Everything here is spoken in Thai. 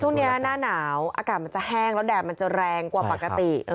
หน้าหนาวอากาศมันจะแห้งแล้วแดดมันจะแรงกว่าปกติ